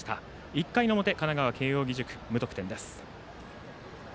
１回の表、神奈川・慶応義塾無得点です。